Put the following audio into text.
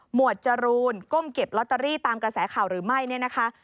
วดจรูนก้มเก็บลอตเตอรี่ตามกระแสข่าวหรือไม่เนี่ยนะคะ